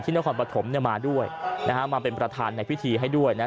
นครปฐมเนี่ยมาด้วยนะฮะมาเป็นประธานในพิธีให้ด้วยนะฮะ